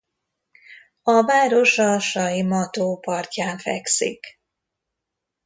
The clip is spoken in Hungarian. A város a Saimaa-tó partján fekszik.